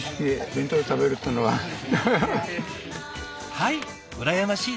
はい羨ましいです